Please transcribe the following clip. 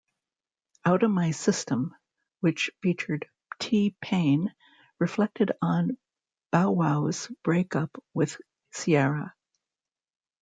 "Outta My System", which featured T-Pain, reflected on Bow Wow's break-up with Ciara.